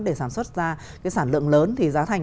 để sản xuất ra cái sản lượng lớn thì giá thành